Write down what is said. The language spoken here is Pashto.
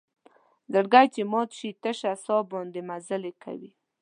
زړګۍ چې مات شي تشه سا باندې مزلې کوي